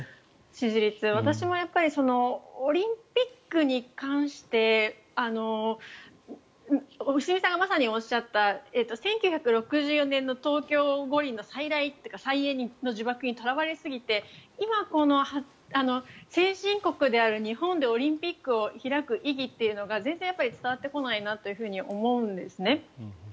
私もやはりオリンピックに関して良純さんがまさにおっしゃった１９６４年の東京五輪の再来というか再来の呪縛にとらわれすぎて今、先進国である日本でオリンピックを開く意義というのが全然伝わってこないと思うんですね。